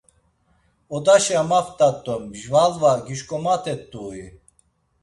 Odaşe amaft̆at do mjalva gişǩomatet̆ui?